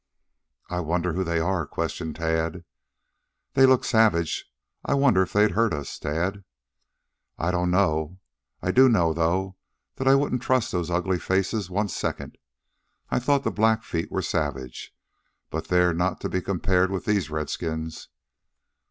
"I wonder who they are?" questioned Tad. "They look savage. I wonder if they'd hurt us, Tad?" "I don't know. I do know, though, that I wouldn't trust those ugly faces one second. I thought the Blackfeet were savage, but they're not to be compared with these redskins."